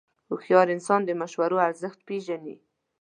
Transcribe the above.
هوښیار انسان د مشورو ارزښت پېژني.